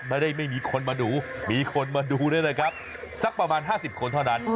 ไม่มีคนมาดูมีคนมาดูด้วยนะครับสักประมาณ๕๐คนเท่านั้น